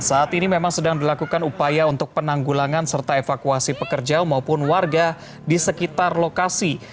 saat ini memang sedang dilakukan upaya untuk penanggulangan serta evakuasi pekerja maupun warga di sekitar lokasi